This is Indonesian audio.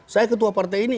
saya ketua partai ini